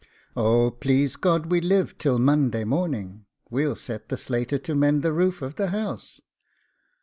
'Oh, please God we live till Monday morning, we'll set the slater to mend the roof of the house.